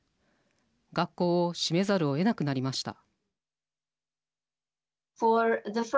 学校を閉めざるをえなくなりました。